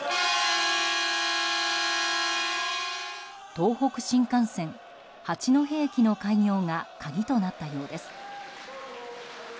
東北新幹線八戸駅の開業が鍵となったようです。